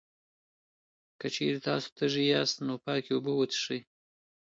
که چېرې تاسو تږی یاست، نو پاکې اوبه وڅښئ.